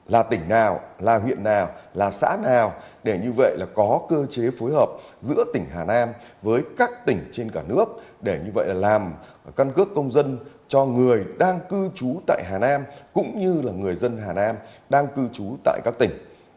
là tỉnh nào là huyện nào là xã nào để như vậy là có cơ chế phối hợp giữa tỉnh hà nam với các tỉnh trên cả nước để như vậy là làm căn cước công dân cho người đang cư trú tại hà nam cũng như là người dân hà nam đang cư trú tại các tỉnh